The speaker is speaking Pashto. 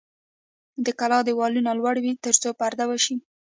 د کلا دیوالونه لوړ وي ترڅو پرده وشي.